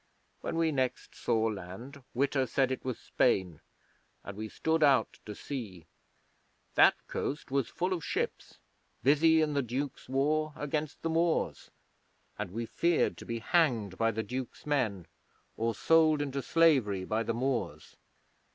When we next saw land Witta said it was Spain, and we stood out to sea. That coast was full of ships busy in the Duke's war against the Moors, and we feared to be hanged by the Duke's men or sold into slavery by the Moors.